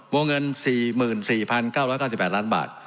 วงเงิน๔๔๙๙๘ล้านบาท